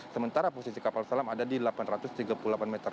sementara posisi kapal selam ada di delapan ratus tiga puluh delapan meter